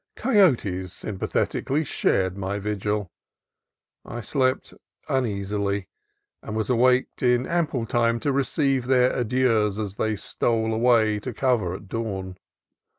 Coyotes sympathetically shared my vigil. I slept uneasily, and was awake in ample time to receive their adieus as they stole away to cover at dawn.